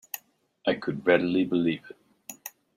I could readily believe it.